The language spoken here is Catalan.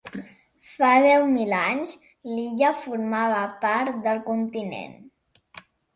Fa deu mil anys l'illa formava part del continent.